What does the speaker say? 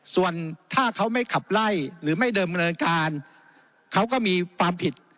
ส่วนถ้าเขาไม่ขับไล่หรือไม่เดิมเนินการเขาก็มีความผิด